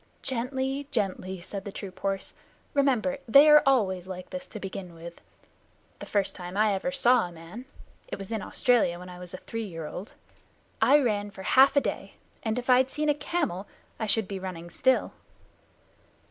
"Gently, gently!" said the troop horse. "Remember they are always like this to begin with. The first time I ever saw a man (it was in Australia when I was a three year old) I ran for half a day, and if I'd seen a camel, I should have been running still."